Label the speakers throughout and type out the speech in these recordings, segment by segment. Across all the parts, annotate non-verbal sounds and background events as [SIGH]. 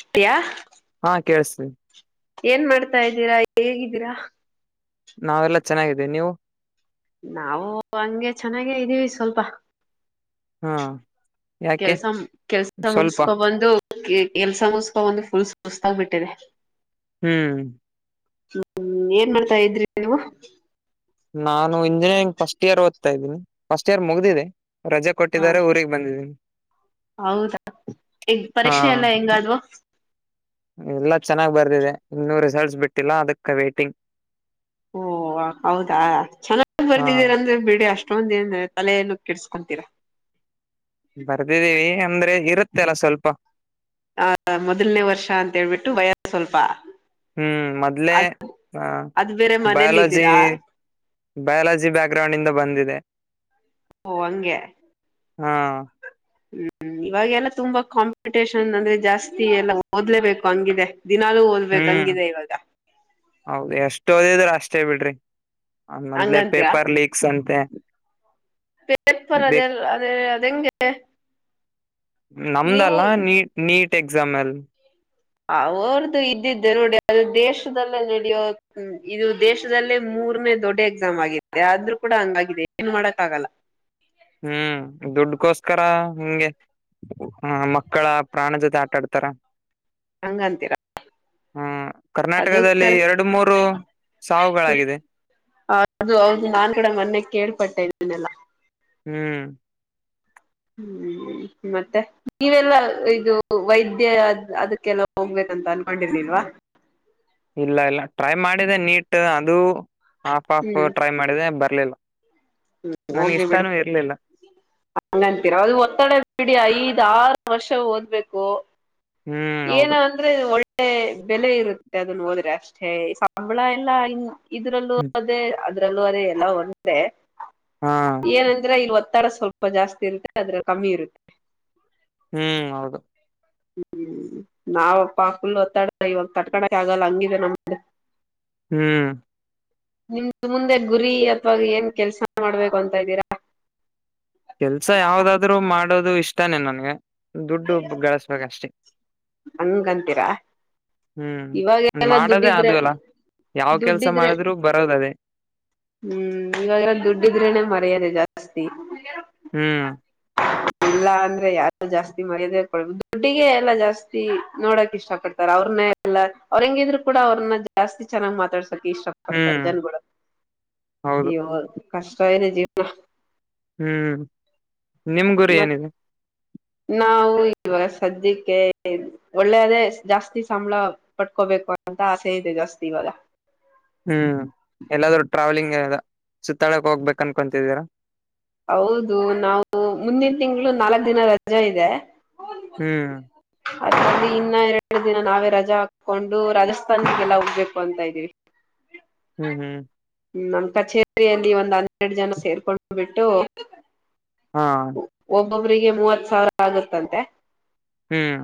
Speaker 1: ಅಷ್ಟಯಾ [UNINTELLIGIBLE]
Speaker 2: ಹಾ ಕೇೇಳಸ್ೀಿ [UNINTELLIGIBLE]
Speaker 1: ಏನ್ ಮಾಡ್ತಾ ಇದ್ದೀರಾ ಹೇಗಿದ್ದೀರಾ
Speaker 2: ನಾವೆಲ್ಲಾ ಚೆನ್ನಾಗಿದ್ದೇ ನೀವು
Speaker 1: ನಾವು ಹಂಗೆ ಚೆನ್ನಾಗೇ ಇದ್ದೀವಿ ಸ್ವಲ್ಪ
Speaker 2: ಹಾ ಯಾಕೆ
Speaker 1: ಕೆಲ್ಸ ಕೆಲ್ಸ
Speaker 2: ಸ್ವಲ್ಪ
Speaker 1: ಮುಗಸ್ಕೊಬಂದು ಎಲ್ಸ ಮಸ್ಕ ಒಂದು ಫುಲ್ ಸಸ್ತಾಗ್ ಬಿಟ್ಟಿದೆ
Speaker 2: ಹ್ಮ್
Speaker 1: ಹ್ಮ್ ಏನ್ ಮಾಡ್ತಾ ಇದ್ರಿ ನೀವು
Speaker 2: ನಾನು ಇಂಜಿನಿಯರಿಂಗ್ ಫಸ್ಟ್ ಇಯರ್ ಓದ್ತಾ ಇದ್ದೀನಿ ಫಸ್ಟ್ ಇಯರ್ ಮುಗ್ದಿದೆ ರಜೆ
Speaker 1: ಹ
Speaker 2: ಕೊಟ್ಟಿದಿದ್ದಾರೆ ಊರಿಗೆಗ್ ಬಂದಿದ್ದೀನಿ
Speaker 1: ಹೌದಾ ಈಗ್
Speaker 2: ಹಾ
Speaker 1: ಪರೀಕ್ಷೆ ಎಲ್ಲ ಹೆಂಗಾದ್ವು
Speaker 2: ಎಲ್ಲಾ ಚೆನ್ನಾಗ್ ಬರ್ದಿದೆ ಇನ್ನೂ ರಿಸಲ್ಟ್ಸ್ ಬಿಟ್ಟಿಲ್ಲ ಅದಕ್ಕೆ ವೈಟಿಂಗ್
Speaker 1: ಓ ಹೌದಾ ಚೆನ್ನಾಗಿ್
Speaker 2: ಹಾ
Speaker 1: ಬರ್ದಿದೀರ ಅಂದ್ರೆ ಬಿಡಿ ಅಷ್ಟು ಅಷ್ಟೊಂದ ತಲೆಯನ್ನು ಕೆಡ್ಸ್ಕೊತೀರಾ
Speaker 2: ಬರ್ದಿದ್ದೀವಿ ಅಂದ್ರೆ ಇರುತ್ತೆ ಅಲ್ಲ ಸ್ವಲ್ಪ
Speaker 1: ಆ ಮೊದಲನೇ ವರ್ಷ ಅಂತ ಹೇಳ್ಬಿಟ್ಟು ವಯಸ್ ಸ್ವಲ್ಪ
Speaker 2: ಹ್ಮ್ ಮೊದ್ಲೆೇ
Speaker 1: ಅದ್
Speaker 2: ಆ
Speaker 1: ಅದ್ ಬೇರೆ ಮನೇಲಿ
Speaker 2: ಬಯಾಲಜಿ
Speaker 1: ಇದ್ದೀರಾ
Speaker 2: ಬಯಾಲಜಿ ಬ್ಯಾಕ್ ಗ್ರೌಂಡ್ ಇಂದ ಬಂದಿದೆ
Speaker 1: ಓ ಹಂಗೆ
Speaker 2: ಹಾ
Speaker 1: ಹ್ಮ್ ಇವಾಗೆಲ್ಲಾ ತುಂಬಾ ಕಾಂಪಿಟೇಷನ್ ಅಂದ್ರೆ ಜಾಸ್ತಿ ಎಲ್ಲಾ ಓದ್ಲೇಬೇಕು ಹಂಗಿದೆ ದಿನಾಲೂ ಓದ್ಬೇಕು
Speaker 2: ಹ್ಮ್
Speaker 1: ಹಂಗಿದೆ ಇವಾಗ
Speaker 2: ಹೌದು ಎಷ್ಟೋದಿದ್ರೆ ಅಷ್ಟೇ ಬಿಡ್ರಿ ಆ ಮೊದ್ಲೆ
Speaker 1: ಹಂಗಂತೀರಾ
Speaker 2: ಪೇಪರ್ ಲೀಕ್ಸ್ ಅಂತೆ
Speaker 1: ಪೇಪರ್ ಅದೆೇ ಅದೇ ಅಗೆ [UNINTELLIGIBLE]
Speaker 2: ನಮ್ದಲ್ಲ ನೀ ನೀಟ್ ಎಕ್ಸಾಮಲ್
Speaker 1: ಅವ್ರ್ದು ಇದ್ದಿದ್ದೆ ನೋಡಿದು ದೇಶದಲ್ಲೇ ನಡಿಯೋ ಇದು ದೇಶದಲ್ಲೇ ಮೂರನೇ ದೊಡ್ಡ ಎಕ್ಸಾಮ್ ಆಗಿದೆ ಆದ್ೂ ಕೂಡ ಹಂಗಾಗಿದೆ ಏನ್ ಮಾಡಕ್ ಆಗಲ್ಲ
Speaker 2: ಹ್ಮ್ ದುಡ್ಕೋಸ್ಕರ ಹಂಗೆ ಮಕ್ಕಳ ಪ್ರಾಣ ಜೊತೆ ಆಟಾಡ್ತಾರ
Speaker 1: ಹಂಗಂತೀರ
Speaker 2: ಹಾ
Speaker 1: ಅದ ಕ
Speaker 2: ಸಾವುಗಳಾಗಿದೆ
Speaker 1: ಅದು ಹೌದು ನಾನ್ ಕೂಡ ಮೊನ್ನೆ ಕೇ ಪಟ್ಟೆಲ್ಲ [UNINTELLIGIBLE]
Speaker 2: ಹ್ಮ್
Speaker 1: ಹ್ಮ್ ಮತ್ತೆ ನೀವೆಲ್ಲ ಇದು ವೈದ್ಯದ ಅದಕ್ಕೆಲ್ಲ ಹೋಗ್ಬೇಕಂತ ಅನ್ಕೊಂಡಿರ್ಲಿಲ್ವಾ
Speaker 2: ಇಲ್ಲ ಇಲ್ಲ ಟ್ರೈ ಮಾಡಿದೆ ನೀಟ್ ಅದು ಹಾಫ್ ಹಫ್ ಟ್ರೈ ಮಾಡಿದೆ ಬ ಸಿ [UNINTELLIGIBLE]
Speaker 1: ಹ್ಮ್ ಹೋಗಿ ಬಿಡಿ ಹಂಗಂತೀರ ಅದು ಒತ್ತಡ ಬಿಡಿ ಐದ್ ಆರು ವರ್ಷ ಓದ್ಬೇಕು
Speaker 2: ಹ್ಮ್
Speaker 1: ಏನ
Speaker 2: ಹೌದು
Speaker 1: ಅಂದ್ರೆ ಒಳ್ಳೆ ಬೆಲೆ ಇರುತ್ತೆ ಅದನ್ನ ಓದಿದ್ರೆ ಅಷ್ಟೇ ಸಂಬಳ ಎಲ್ಲ ಇನ್ನು ಇದ್ರಲ್ಲೂ
Speaker 2: ಹ್ಮ್
Speaker 1: ಅದೇ ಅದ್ರಲ್ಲೂ ಅದೇ ಎಲ್ಲ ಒಂದೆ
Speaker 2: ಹಾ
Speaker 1: ಏನಂದ್ರೆ ಇವತ್ತು ತಡ ಸ್ವಲ್ಪ ಜಾಸ್ತಿ ಇರುತ್ತೆ ಅದ್ರ ಕಮ್ಮಿ ಇರುತ್ತೆ
Speaker 2: ಹ್ಮ್ ಹೌದು
Speaker 1: ಹ್ಮ್ ಹ್ಮ್ ನಾವ ಪಾಕುಲ್ ಒತ್ತಾಡ ಇವಾಗ ಕಟ್ಕಳಕ್ಕೆ ಆಗಲ್ಲ ಹಂಗಿದೆ ನಮ್ಮ
Speaker 2: ಹ್ಮ್
Speaker 1: ನಿಮ್ದ ಮುಂದೆ ಗುರಿ ಅಥವಾಗ ಏನ್ ಕೆಲ್ಸ ಮಾಡ್ಬೇಕು ಅಂತ ಇದ್ದೀರಾ
Speaker 2: ಕೆಲ್ಸ ಯಾವ್ದಾದ್ರರು ಮಾಡೋದು ಇಷ್ಟಾನೇ ನನ್ಗೆ ದುಡ್ಡು ಗಳಸ್ಬೇಕ ಅಷ್ಟೇ
Speaker 1: ಹಂಗಂತೀರಾ
Speaker 2: ಹ್ಮ್
Speaker 1: ಇವಾಗೆಲ್ಲ
Speaker 2: ಮಾಡೋದೇ
Speaker 1: ದುಡ್ಡಿದ್ರೆ
Speaker 2: ಅದು ಅಲ್ಲ ಯಾವ ಕೆಲ್ಸ
Speaker 1: ದುಡ್ಡಿದ್ರೆ
Speaker 2: ಮಾಡಿದ್ರು ಬರೋದ ಅದೇ
Speaker 1: ಹ್ಮ್ ಇವಾಗಲ್ಲಾ ದುಡ್ಡಿದ್ರೇನೆ ಮರ್ಯಾದೆ ಜಾಸ್ತಿ [INAUDIBLE]
Speaker 2: ಹ್ಮ್
Speaker 1: ಇಲ್ಲ ಅಂದ್ರೆ ಯಾರು ಜಾಸ್ತಿ ಮರ್ಯಾದೆ ಕೊ ದುಡ್ಡಿಗೆ ಎಲ್ಲಾ ಜಾಸ್ತಿ ನೋಡಕ್ ಇಷ್ಟ ಪಡ್ತಾರ ಅವ್ರನ್ನೇ ಎಲ್ಲ ಅವ್ರ ಹೆಂಗಿದ್ರು ಕೂಡ ಅವ್ರನ್ನ ಜಾಸ್ತಿ ಚೆನ್ನ್ ಮಾತಾಡ್ರೆ ಕ ಇಷ್ಟ ಪಡ್ತಾರೆ
Speaker 2: ಹ್ಮ್
Speaker 1: ಜನಗಳ
Speaker 2: ಹೌದು
Speaker 1: ಇ ಕಷ್ಟವನೆ ಜೀವನ
Speaker 2: ಹ್ಮ್ ನಿಮ್ ಗುರಿ
Speaker 1: ಮತ್
Speaker 2: ಏನಿದೆ
Speaker 1: ನಾವು ಇವಾಗ ಸದ್ಯಕ್ಕೆ ಒಳ್ಳೇದೇ ಜಾಸ್ತಿ ಸಂಬಳ ಪಟ್ಕೋಬೇಕು ಅಂತ ಆಸೆ ಇದೆ ಜಾಸ್ತಿ ಇವಾಗ
Speaker 2: ಹ್ಮ್ ಎಲ್ಲಾದ್ರೂ ಟ್ರಾವೆಲಿಂಗ್ ಸುತ್ತಾಳಕ್ ಹೋಗ್ಬೇಕ ಅನ್ಕೊತಿದ್ದೀರ
Speaker 1: ಹೌದು ನಾವು ಮುಂದಿನ ತಿಂಗಳು ನಾಲ್ಕ್ ದಿನ ರ ರಜಾ ಇದೆ
Speaker 2: ಹ್ಮ್
Speaker 1: ಅದಲ್ಲಿ ಇನ್ನ ಎರಡು ದಿನ ನಾವೇ ರಜಾ ಹಾಕೊಂಡು ರಾಜಸ್ಥಾನಿಗೆಲ್ಲ ಹೋಗ್ಬೇಕು ಅಂತ ಇದ್ದೀವಿ
Speaker 2: ಹ್ಮ್ ಹ್ಮ್
Speaker 1: ನಮ್ಮ್ ಕಚೇರಿಯಲ್ಲಿ ಒಂದ್ ಹನ್ನೆರಡು ಜನ ಸೇರ್ಕೊಂಡ್ ಬಿಟ್ಟು ಟ್ಟೋ
Speaker 2: ಹಾ
Speaker 1: ಒಬ್ಬೊಬಿಗೆ ಮೂವತ್ ಸಾವಿರ ಆಗತ್ತಂತೆ
Speaker 2: ಹ್ಮ್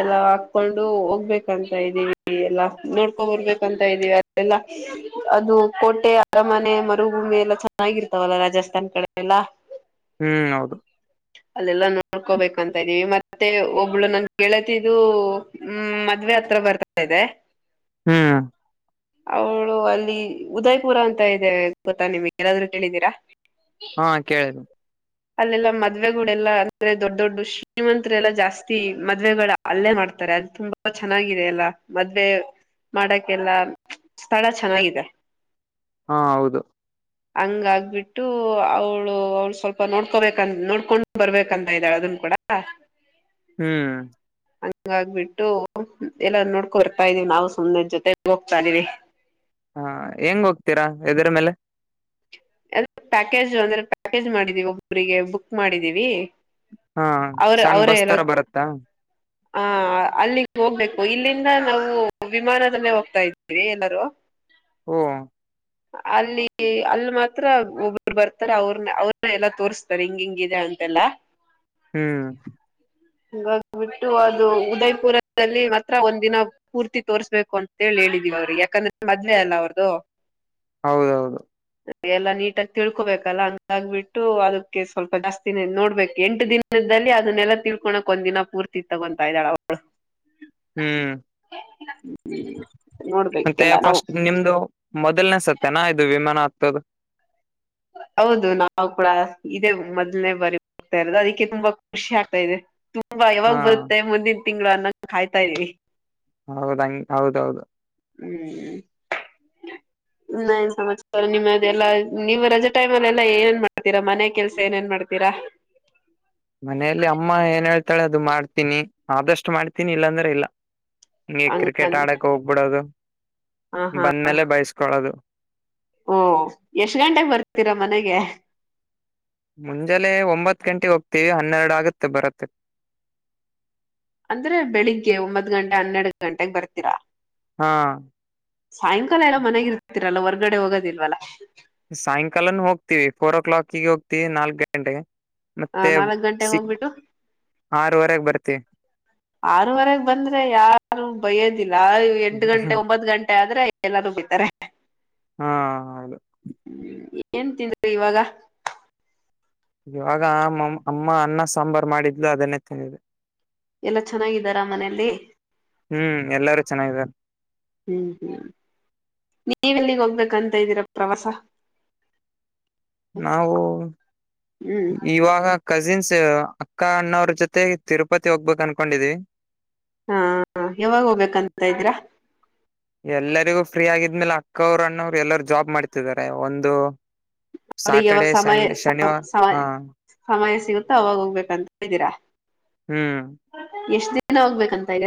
Speaker 1: ಎಲ್ಲ ಹಾಕೊಂಡು ಹೋಗ್ಬೇಕಂತ ಇದ್ದೀವಿ ಎಲ್ಲಾ ನೋಡ್ಕೊಂಡ ಬರ್ಬೇಕಂತ ಇದೀವಿ ಅಲ್ಲ ಅದು ಕೋಟೆ ಅರಮನೆ ಮರುಭೂಮಿ ಎಲ್ಲ ಚೆನ್ನಾಗಿರ್ತವಲ್ಲ ರಾಜಾಸ್ ತನ್ ಕಡೆ ಎಲ್ಲ
Speaker 2: ಹ್ಮ್ ಹೌದು
Speaker 1: ಅಲ್ಲೆಲ್ಲಾ ನೋಡ್ಕೋಬೇಕು ಅಂತ ಇದೀವಿ ಮತ್ತೆ ಒಬ್ಳು ನನ್ ಕಳತಿದ್ದು ಹ್ಮ್ ಮದ್ವೆ ಹತ್ರ ಬರ್ತಾ ಇದೆ
Speaker 2: ಹ್ಮ್
Speaker 1: ಅವಳು ಅಲ್ಲಿ ಉದಯ್ಪುರ ಅಂತ ಇದೆ ಗೊತ್ತಾ ನಿಮ್ಗೆ ಏನಾದ್ರು ಕೇಳಿದ್ದೀರಾ
Speaker 2: ಹಾ ಕೇಳಿದ
Speaker 1: ಅಲ್ಲೆಲ್ಲಾ ಮದ್ವೆಗಳಲ್ಲಾ ಅಂದ್ರೆ ದೊಡ್ ದೊಡ್ಡ ಶ್ರೀಮಂತರೆಲ್ಲಾ ಜಾಸ್ತಿ ಮದ್ವೆಗಳ ಅಲ್ಲೇ ಮಾಡ್ತಾರೆ ಅದು ತುಂಬಾ ಚೆನ್ನಾಗಿದೆ ಎಲ್ಲಾ ಮದ್ವೆ ಮಾಡಕ್ಕೆಲ್ಲ ಸ್ಥಳ ಚೆನ್ನಾಗಿದೆ
Speaker 2: ಹಾ ಹೌದು
Speaker 1: ಹಂಗ ಆಗ್ಬಿಟ್ಟು ಅವಳು ಅವಳ ಸ್ವಲ್ಪ ಪ ನೋಡ್ಕೋಬೇಕ ನೋಡ್ಕೊಂಡು ಬರ್ಬೇಕಂತ ಇದ್ದಾಳ ಅದನ್ ಕೂಡ
Speaker 2: ಹ್ಮ್
Speaker 1: ಹಂಗ ಆಗ್ಬಿಟ್ಟು ಎಲ್ಲ ನೋಡ್ಕೊ ಬರ್ತಾ ಇದೀವಿ ನಾವು ಸುಮದ ಜೊತೆ ಹೋಗ್ತಾ ಇದೀವಿ
Speaker 2: ಹಾ ಹೆಂಗ ಹೋಗ್ತೀರಾ ಎದರ ಮೇಲೆ
Speaker 1: ಅ ಪ್ಯಾಕೇಜ್ ಅಂದ್ರೆ ಪ್ಯಾಕೇಜ್ ಮಾಡಿದೀವಿ ಒಬ್ಬರಿಗೆ ಬುಕ್ ಮಾಡಿದೀವಿ
Speaker 2: ಹಾ ಸಣ್ಣ ಬಸ್ತರ ಬರುತ್ತಾ
Speaker 1: ಹ ಅಲ್ಲಿಗೆ ಹೋಗ್ಬೇಕು ಇಲ್ಲಿಂದ ನಾವು ವಿಮಾನದಲ್ಲೇ ಹೋಗ್ತಾ ಇದ್ದೀವಿ ಎಲ್ಲಾರೂ
Speaker 2: ಹಓ
Speaker 1: ಅಲ್ಲಿ ಅಲ್ಲಿ ಮ ಹತ್ರ ಒಬ್ರು ಬರ್ತಾರೆ ಅವ್ರನ ಅವ್ರನ್ನ ಎಲ್ಲಾ ತೋರಿಸ್ತಾರೆ ಹಿಂಗ ಹಿಂಗಿದೆ ಅಂತೆಲ್ಲಾ
Speaker 2: ಹ್ಮ್
Speaker 1: ಹಂಗಬಿಟ್ಟು ಅದು ಉದಯ್ಪುರದಲ್ಲಿ ಮಾತ್ರ ಒಂದ ದಿನ ಪೂರ್ತಿ ತೋರ್ಸ್ಬೇಕು ಅಂತೇಳಿ ಹೇಳಿದಿವವಿ ಅವ್ರಿಗೆ ಯಾಕಂದ್ರೆ ಮದ್ವೆೇ ಅಲ್ಲ ಅವ್ರದುು
Speaker 2: ಹೌದೌದು
Speaker 1: ಎಲ್ಲಾ ನೀಟಾಗಿ ತಿಳ್ಕೊಬೇಕಲ್ಲ ಹಂಗಾಗ್ಬಿಟ್ಟು ಅದಕ್ಕೆ ಸ್ವಲ್ಪ ಜಾಸ್ತಿನ ನೋಡ್ಬೇಕು ಎಂಟು ದಿನದಲ್ಲಿ ಅದನ್ನೆಲ್ಲ ತಿಳ್ಕೊಳಕ್ ಒಂದ್ ದಿನ ಪೂರ್ತಿ ತಗೊತಾ ಇದ್ದಾಳ ಅವಳು
Speaker 2: ಹ್ಮ್
Speaker 1: [INAUDIBLE]
Speaker 2: ಮತ್ತ
Speaker 1: ನೋಡ್ಬೇಕೆಲ್ಲ ನಾವು
Speaker 2: ಫಸ್ಟ್ ನಿಮ್ದು ಮದ ಲ್ನೆ ಸತ್ತೇನಾ ಇದು ವಿಮಾನ ಆಗ್ತೋದು
Speaker 1: ಹೌದು ನಾವು ಕೂಡ ಇದೇ ಮೊದ್ನೇ ಬಾರಿ ಹೋಗ್ತಾ ಇರೋದು ಅದಕ್ಕೆ ತುಂಬಾ ಖುಷಿ ಆಗ್ತಾ ಇದೆ ಯವಾಗ
Speaker 2: ಹಾ
Speaker 1: ಬರುತ್ತೆ ಮುಂದಿನ ತಿಂಗಳು ಅನ್ನಂಗ ಕಾಯ್ತಾ ಇದವಿ
Speaker 2: ಹೌದಂಗ ಹೌದೌದು
Speaker 1: ಹ್ಮ್ ನ ಸಮತ್ ನಿಮ್ಮದೆಲ್ಲ ನೀವ ರಜೆ ಟೈಮಲ್ಲ ಏನೇಏನ್ ಮಾಡ್ತೀರಾ ಮನೆ ಕೆಲ್ಸ ಏನೇಏನ್ ಮಾಡ್ತೀರಾ
Speaker 2: ಮತ್ತಾಳೆ ಅದು ಮಾಡ್ತೀನಿ ಆದಷ್ಟು ಮಾಡ್ತೀನಿ ಇಲ್ಲಾಂದ್ರೆ ಇಲ್ಲ ಈಗೆ
Speaker 1: ಹಂಗ
Speaker 2: ಕ್ರಿಕೆಟ್ ಆಡಕ್ ಹೋಗ್ಬಿಡೋದು
Speaker 1: ಹ ಹಾ
Speaker 2: ಬಂದ್ಮೇಲೆ ಬಯಸ್ಕೊಳೋದು
Speaker 1: ಓ ಎಷ್ಟ್ ಗಂಟೆಗೆ ಬರ್ತೀರಾ ಮನೆಗೆ
Speaker 2: ಮುಂಜಾಲೆ ಒಂಬತ್ತು ಗಂಟೆ ಹೋಗ್ತೀವಿ ಹನ್ನೆರಡು ಆಗುತ್ತೆ ಬರತ್ತೆ
Speaker 1: ಅಂದ್ರೆ ಬೆಳಿಗ್ಗೆ ಒಂಬತ್ ಗಂಟೆ ಹನ್ನೆರಡು ಗಂಟೆಗೆ ಬರ್ತೀರಾ
Speaker 2: ಹಾ
Speaker 1: ಸಾಯಂಕಾಲ ಎಲ್ಲ ಮನೆಗ ಇರ್ತಿರಲ್ಲ ಹೊರ್ಗಡೆ ಹೋಗೋದಿಲ್ವಲ್ಲ
Speaker 2: ನಾಲ್ಕು ಗಂಟೆಗೆ
Speaker 1: ಹ
Speaker 2: ಮತ್ತೆ
Speaker 1: ನಾಲ್ಕ್ ಗಂಟೆೆಗೆ
Speaker 2: ಸಿ
Speaker 1: ಹೋಗ್ಬಿಟ್ಟು
Speaker 2: ಆರವರೆಗೆ ಬರ್ತಿ
Speaker 1: ಆರವರೆಗೆ ಬಂದ್ರೆ ಯಾರು ಬಯೋದಿಲ್ಲ ಇಲ್ಲ ಎಂಟು ಗಂಟೆ ಒಂಬತ್ತು ಗಂಟೆ ಆದ್ರೆ ಎಲ್ಲಾರೂಬ್ ಬಿತಾರೆ
Speaker 2: ಹಾ ಹೌದು
Speaker 1: ಏನ್ ತಿಂದ್ರಿ ಇವಾಗ
Speaker 2: ಇವಾಗ ಅಮ್ಮ ಅನ್ನ ಸಾಂಬಾರ್ ಮಾಡಿದ್ಲು ಅದನ್ನೇ ತಂದಿದೆ
Speaker 1: ಎಲ್ಲಾ ಚೆನ್ನಾಗಿದ್ದಾರಾ ಮನೆಯಲ್ಲಿ
Speaker 2: ಹ್ಮ್ ಎಲ್ಲಾರು ಚೆನ್ನಾದಾರೆ
Speaker 1: ನೀವೆಲ್ಲಿಗ ಹೋಗ್ಬೇಕಂತ ಇದ್ದೀರಾ ಪ್ರವಾಸ
Speaker 2: ನಾವು
Speaker 1: ಹ್ಮ್
Speaker 2: ಇವಾಗ ಕಜಿನ್ಸ್ ಅಕ್ಕ ಅಣ್ಣ ಅವ್ರ ಜೊತೆ ತಿರುಪತಿ ಹೋಗ್ಬೇಕಕ್ ಅನ್ಕೊಂಡಿದ್ವಿ
Speaker 1: ಹಾ ಯಾವಾಗ ಹೋಗ್ಬೇಕಂತ್ರಾ
Speaker 2: ಎಲ್ಲರಿಗೂ ಫ್ರೀ ಆಗಿದ್ಮೇಲೆ ಅಕ್ಕವ್ರು ಅಣ್ಣವ್ರು ಎಲ್ಲರು ಜಾಬ್ ಮಾಡ್ತಿದ್ದಾರೆ ಒಂದು
Speaker 1: ಅವ್ರಿಗೆ ಯಾವಾಗ
Speaker 2: ಸ್ಯಾಟರ್ಡೆ
Speaker 1: ಸಮಯ
Speaker 2: ಸಣ್ ಶನಿವಾರ
Speaker 1: ಸಮಯ
Speaker 2: ಹಾ
Speaker 1: ಸಮಯ ಸಿಗುತ್ತೋ ಅವಾಗ ಹೋಗ್ಬೇಕಂತ್ದೀರಾ
Speaker 2: ಹ್ಮ್
Speaker 1: ಎಷ್ಟ ದಿನ ಏನ ಹೋಗ್ಬೇಕಂತ ಇರ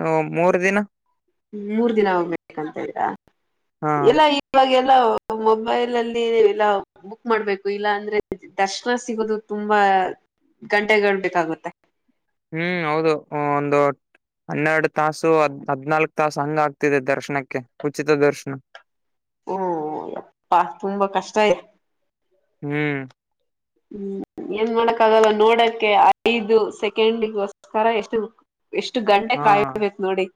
Speaker 2: ಹ ಮೂರು ದಿನ
Speaker 1: ಮೂರ್ ದಿನ ಹೋಗ್ಬೇಕಂತ ಇದ್ರಾ
Speaker 2: ಹಾ
Speaker 1: ಎಲ್ಲ ಇವಾಗ ಮೊಬೈಲ್ ಅಲ್ಲಿ ಎಲ್ಲ ಬುಕ್ ಮಾಡ್ಬೇಕು ಇಲ್ಲ ಅಂದ್ರೆ ದರ್ಶನ ಸಿಗೋದು ತುಂಬಾ ಗಂಟೆಗಳುಬೇಕಾಗುತ್ತೆ
Speaker 2: ಹ್ಮ್ ಹೌದು ಒಂದು ಹನ್ನೆರಡು ತಾಸು ಹದ್ ಹದ್ನಾಲ್ಕ ತಾಸು ಹಂಗ ಆಗ್ತಿದೆ ದರ್ಶನಕ್ಕೆ ಉಚಿತ ದರ್ಶನ
Speaker 1: ಹ್ಮ ಅಪ್ಪಾ ತುಂಬಾ ಕಷ್ಟ ಇದೆ
Speaker 2: ಹ್ಮ್
Speaker 1: ಹ್ಮ್ ಏನ್ ಮಾಡಕ್ ಆಗಲ್ಲ ನೋಡಕ್ಕೆ ಐದು ಸೆಕೆಂಡಗಗೋಸ್ಕರ ಎಷ್ಟು ಎಷ್ಟು ಗಂಡೆ
Speaker 2: ಹಾ
Speaker 1: ಕಾಯಬೇಕು ನೋಡಿ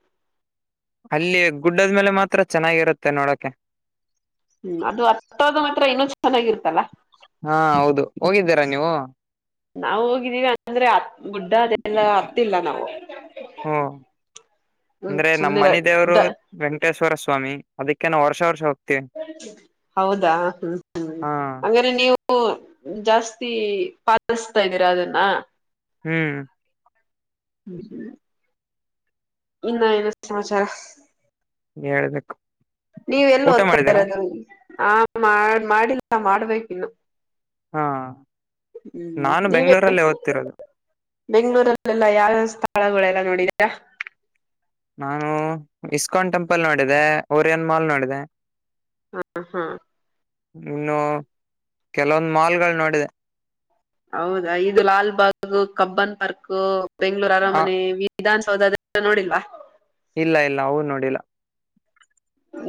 Speaker 2: ಅಲ್ಲಿ ಗುಡ್ಡದ್ಮೇಲೆ ಮಾತ್ರ ಚೆನ್ನಾಗಿರುತ್ತೆ ನೋಡಕೆ
Speaker 1: ಹ್ಮ್ ಅದು ಹತ್ತದ ಮಾತ್ರ ಇನ್ನೂ ಚೆನ್ನಾಗಿರ್ತಲ್ಲ
Speaker 2: ಹಾ ಹೌದು ಹೋಗಿದ್ದೀರಾ ನೀವು
Speaker 1: ನಾವು ಹೋಗಿದ್ದೀವಿ ಅಂದ್ರೆ ಗುಡ್ಡ ಅದೆಲ್ಲ ಹತ್ತಿಲ್ಲ ನಾವು
Speaker 2: ಹಓ
Speaker 1: ಹ್ಮ್
Speaker 2: ಅಂದ್ರೆ ನಮ್ಮ
Speaker 1: ಸುಮ್ನೆ
Speaker 2: ಮನೆ ದೇವರು ವೆಂಕಟೇಶ್ವರ ಸ್ವಾಮಿ ಅದಕ್ಕೆ ನಾವು ವರ್ಷ ಸರ್ಷ
Speaker 1: ಹೌದಾ ಹ್ಮ
Speaker 2: ಹಾ
Speaker 1: ಹ್ಮ ಅ್ರೆ ನೀವು ಹ ಜಾಸ್ತಿ ಪಾಲಸ್ತಾ್ದೀರಾ ಅದನ್ನ
Speaker 2: ಹ್ಮ್
Speaker 1: ಹ ಇನ್ನ ಏನು ಸಮಾಚಾರ
Speaker 2: ಹೇಳ್ಬೇಕಕ್ಕು
Speaker 1: ನೀವ ಎಲ್ಲಿ ಓದ್ತಾ ಇರೋದುಗೆ ಹಾ ಮಾಡ ಮಾಡಿಲ್ಲ ಮಾಡ್ಬೇಕೇ ಇನ್ನು
Speaker 2: ಹಾ
Speaker 1: ಹ್ಮ್
Speaker 2: ನಾನು ಬೆಂಗಳೂರಲ್ಲೇ ಓದ್ತಿಿರೋದು
Speaker 1: ಬೆಂ್ಗಳೂರಲ್ಲೆಲ್ಲ ಯಾವ್ಯಾವ ಸ್ಥಳಗಳೆಲ್ಲ ನೋಡಿದೀರಾ
Speaker 2: ನಾನು ಇಸ್ಕಾನ್ ಟೆಂಪಲ್ ನೋಡಿದೆೆ ಓರಿಯನ್ ಮಾಲ್ ನೋಡಿದೆ
Speaker 1: ಹಾ ಹಾ
Speaker 2: ಇನ್ನು ಕೆಲವೊಂದು ಮಾಲ್ ಗಳು ನೋಡಿದೆ
Speaker 1: ಹೌದಾಲ ಇದು ಲಾಲ್ಬಾಗ, ಕಬ್ಬನ್ ಪಾರ್ಕ್ - ಬೆಂಗಂಗಳೂರು
Speaker 2: ಆ
Speaker 1: ಅರಮನೆ., - ವಿಧಾನಸೌಧದ ನೋಡಿಲ್ವಾ. -
Speaker 2: ಇಲ್ಲ- ಇಲ್ಲ ಅವವು ನೋಡಿಲ್ಲ. -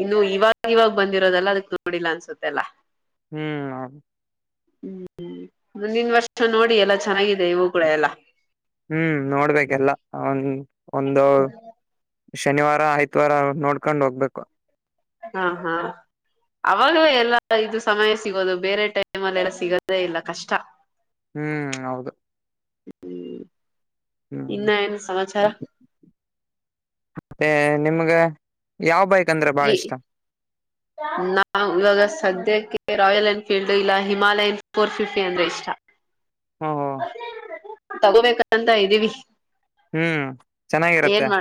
Speaker 1: ಇನ್ನು ಇವಾಗ- ಇವಾಗ ಬಂದಿರೋದಲ್ಲ ಅದಕ್ ನೋಡಿಲ್ಲ ಅನ್ಸುತ್ತೆಲ್ಲ. -
Speaker 2: ಹ್ಮ್,
Speaker 1: ಹ್ಮ್, ಮುಂದಿನ ವರ್ಷ ನೋಡಿ ಎಲ್ಲಾ ಚೆನ್ನಾಗ. -
Speaker 2: ಹ್ಮ್, ನೋಡ್ಬೇಕೆಲ್ಲ ಒ ಒಂದು, - ಶನಿವಾರ ಆಯ್ತ್, ವಾರ ನೋಡ್ಕೊಂಡ್ ಹೋಗ್ಬೇಕು. -
Speaker 1: ಹಾ, ಹಾ ಅವಾಗಲೇ ಎಲ್ಲ ಇದು ಸಮಯ ಸಿಗೋದು. ಬೇರೆ ಟೈಮಲ್ಲಲ್ಲ ಸಿಗೋದೇ ಇಲ್ಲ ಕಷ್ಟ. -
Speaker 2: ಹ್ಮ್, ಹೌದು...
Speaker 1: ಹ್ಮ್, ಇನ್ನ
Speaker 2: ಹ್ಮ್
Speaker 1: ನು ಸಮಾಚಾರ, -
Speaker 2: ಮತ್ತೆ ನಿಮ್ಗೆ ಯಾವ ಬೈಕ್, -
Speaker 1: ಈ ನಾ ಇವಾಗ [UNINTELLIGIBLE] ಸದ್ಯಕ್ಕೆ ರಾಯಲ್ ಎನ್ಫೀಲ್ಡ್, ಇಲ್ಲ ಹಿಮಾಲಯನ್ ಫೋರ್ ಫಿಫ್ಟಿ ಅಂದ್ರೆ ಇಷ್ಟ. -
Speaker 2: ಹಾ, ಹಾ,,,
Speaker 1: ತಗೋಬೇಕಂತ ಇದ್ದೀವಿ. -
Speaker 2: ಹ್ಮ್, ಚೆನ್ನಾಗಿರತ್ತೆ. -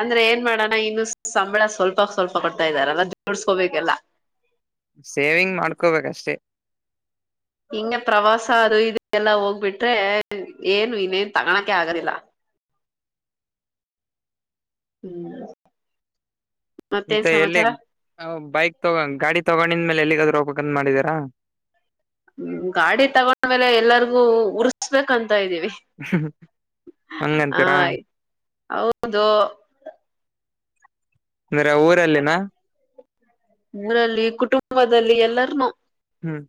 Speaker 1: ಅಂದ್ರೆ ಏನ್ ಮಾಡಣ ಇನ್ನು ಸಂಬಳ., - ಸ್ವಲ್ಪ -ಸ್ವಲ್ಪ ಕೊಡ್ತಾ ಇದ್ದಾರಲ್ಲ ಜೋಡ್ಸ್ಕೋಬೇಕಲ್ಲ.
Speaker 2: ಸೇವಿಂಗ್ ಮಾಡ್ಕೋಬೇಕಷ್ಟೇ., -
Speaker 1: ಹಿಂಗ ಪ್ರವಾಸ ಅದು ಇದು ಎಲ್ಲಾ ಹೋಗ್ಬಿಟ್ರೆ, ಏನು ಇನ್ನೇನ್ ತಗಳಕೆ ಆಗದಿಲ್ಲ. - ಹ್ಮ್, ಮತ್ತೇನ್
Speaker 2: ಮತ್ತೆ ಎಲ್ಲಿ
Speaker 1: ಸಮಾಚಾರ
Speaker 2: ಬೈಕ್ ತಗೊಂಡ ಗಾಡಿ ತಗೊಂಡಿದ್ಮೇಲೆ ಎಲ್ಲಿಗ., - ಪ ಮಾಡಿದೀರಾ [UNINTELLIGIBLE]
Speaker 1: ಹ್ಮ್, ಗಾಡಿ ತಗೊಂಡ್ಮೇಲೆ ಎಲ್ಲರಿಗೂ ಉರ್ಸ್ಬೇಕಂತ., - ತೀವಿ ಆ
Speaker 2: ಹಂಗಂತೀರಾ
Speaker 1: ಆಯ್ತು ಹೌದು. -
Speaker 2: ಅಂದ್ರೆ ಊರಲ್ಲಿನಾ., -
Speaker 1: ಊರಲ್ಲಿ ಕುಟುಂಬದಲ್ಲಿ ಎಲ್ಲಾರ್ನು., -
Speaker 2: ಹ್ಮ್,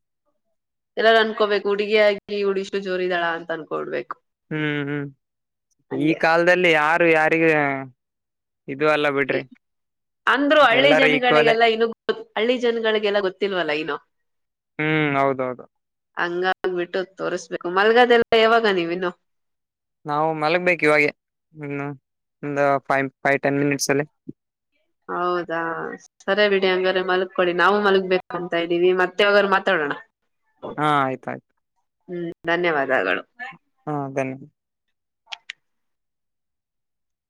Speaker 1: ಎಲ್ಲಾರು ಅನ್ಕೋಬೇಕು ಹುಡುಗಿ ಆಗಿ ಉಡಿಷ್ಟು ಜೋರಿದಾಳ ಅಂತ ಅನ್ಕೊಡ್ಬೇಕು., -
Speaker 2: ಹ್ಮ್- ಹ್ಮ್ ಈ ಕಾಲದಲ್ಲಿ ಯಾರ- ಯಾರಿಗೆ, -
Speaker 1: ಅಂದ್ರು ಹಳ್ಳಿ
Speaker 2: ಎಲ್ಲಾರೂ ಈಕ್ವಲೆ
Speaker 1: ಜನಗಳಿಗೆಲ್ಲಾ ಇನ್ನು ಹಳ್ಳಿ ಜನಗಳಿಗೆಲ್ಲ ಗೊತ್ತಿಲ್ವಲ್ಲ ಇನ್ನು
Speaker 2: ಹ್ಮ್ ಹೌದೌದು
Speaker 1: ಹಂಗ., - ಆಗ್ಬಿಟ್ಟು ತೋರಿಸ್ಬೇಕು. ಮಲ್ಗದೆೆಲ್ಲ ಯಾವಾಗ ನೀವಿನ್ನು, -
Speaker 2: ನಾವು ಮಲಗ್ಬೇಕು ಇವಾಗನ್ನು ಒಂದು ಫೈವ್ ಫೈವ್ ಟೆನ್ ಮಿನಿಟ್ಸ್ ಅಲ್ಲಿ., -
Speaker 1: ಹೌದಾ ಸರಿ ಬಿಡಿ ಹಂಗ್ರ ಮಲ್ಕೊಡಿ ನಾವು ಮಲ್ಗ್ಬೇಕು ಅಂತ ಇದ್ದೀವಿ. ಮತ್ತೆ ಒಾಗರು ಮಾತಾಡೋಣ.
Speaker 2: ಹಾ ಆಯ್ತ ಆಾಯ್ತು
Speaker 1: ಧನ್ಯವಾದಗಳು
Speaker 2: ಹಾ ಧನ್ಯವಾದ